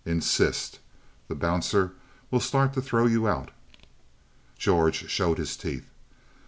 Insist. The bouncer will start to throw you out." George showed his teeth.